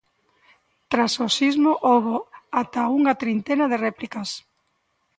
Tras o sismo houbo ata unha trintena de réplicas.